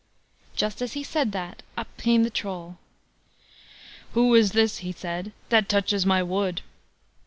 Just as he said that, up came the Troll: "Who is this", he said, "that touches my wood?"